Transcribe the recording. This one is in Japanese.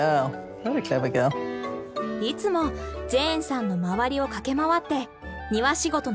いつもジェーンさんの周りを駆け回って庭仕事の応援をしている。